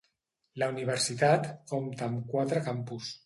La universitat compta amb quatre campus.